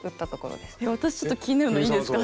私ちょっと気になるのいいですか。